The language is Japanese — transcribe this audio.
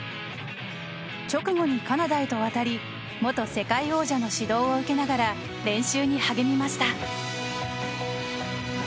直後にカナダへと渡り元世界王者の指導を受けながら練習に励みました。